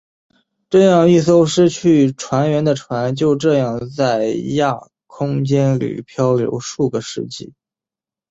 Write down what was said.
这样一艘失去船员的船就这样在亚空间里飘流数个世纪。